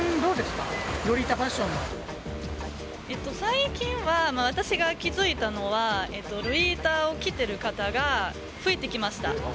最近は、私が気付いたのは、ロリータを着てる方が、増えてきました。